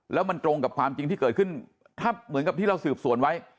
แล้วมันตรงกับความจริงที่เกิดขึ้นถ้าเหมือนกับที่เราสืบสวนไว้